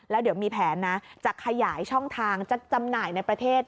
แล้วเดี๋ยวมีแผนนะจะขยายช่องทางจะจำหน่ายในประเทศ